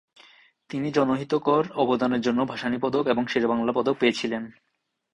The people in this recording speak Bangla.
তিনি জনহিতকর অবদানের জন্য ভাসানী পদক এবং শেরে বাংলা পদক পেয়েছিলেন।